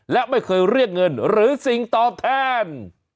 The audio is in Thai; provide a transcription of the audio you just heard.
และไม่เคยเรียกเงินหรือสิ่งตอบแทน